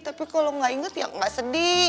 tapi kalo gak inget ya gak sedih